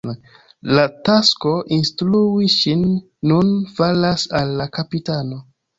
La tasko instrui ŝin nun falas al la kapitano.